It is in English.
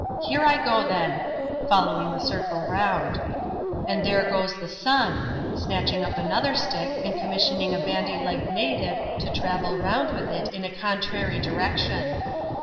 Here I go, then" (following the circle round), "and there goes the sun " (snatching up another stick, and commissioning a handy legged native to travel round with it in a contrary direc tion).